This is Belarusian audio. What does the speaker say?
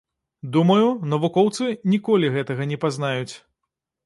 Думаю, навукоўцы ніколі гэтага не пазнаюць.